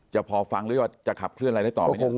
พอฟังหรือว่าจะขับเคลื่อนอะไรได้ต่อไหมเนี่ย